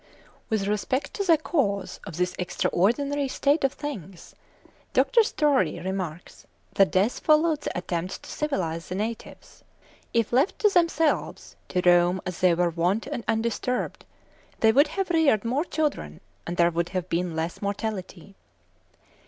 With respect to the cause of this extraordinary state of things, Dr. Story remarks that death followed the attempts to civilise the natives. "If left to themselves to roam as they were wont and undisturbed, they would have reared more children, and there would have been less mortality."